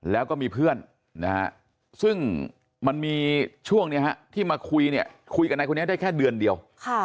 แล้วก็มีเพื่อนนะฮะซึ่งมันมีช่วงนี้ที่มาคุยเนี่ยคุยกับนายคนนี้ได้แค่เดือนเดียว